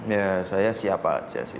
ya saya siapa aja sih